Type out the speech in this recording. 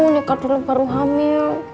nikah dulu baru hamil